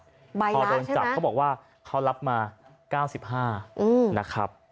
ใบละใช่ไหมเขาโดนจับบอกว่าเขารับมา๙๕บาทนะครับ